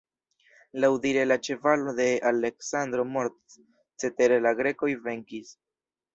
Laŭdire la ĉevalo de Aleksandro mortis, cetere la grekoj venkis.